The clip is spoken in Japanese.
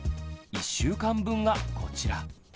１週間分がこちら。